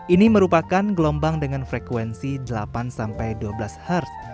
ini merupakan gelombang dengan frekuensi delapan sampai dua belas herz